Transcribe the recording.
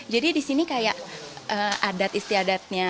jadi disini kayak adat istiadatnya